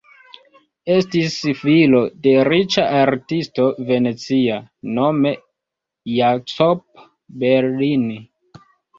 Estis filo de riĉa artisto venecia, nome Jacopo Bellini.